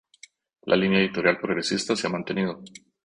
La línea editorial progresista se ha mantenido.